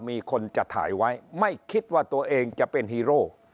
มีคนจะถ่ายไว้ไม่คิดว่าตัวเองจะเป็นฮีโร่